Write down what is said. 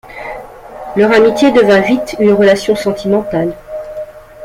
Leur amitié devint vite une relation sentimentale.